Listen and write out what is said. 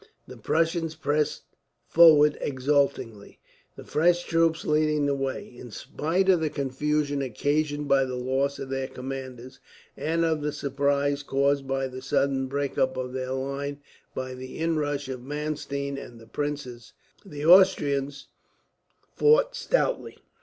The Prussians pressed forward exultingly, the fresh troops leading the way. In spite of the confusion occasioned by the loss of their commanders, and of the surprise caused by the sudden breakup of their line by the inrush of Mannstein and the princes, the Austrians fought stoutly.